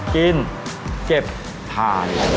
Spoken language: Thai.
กินเก็บทาน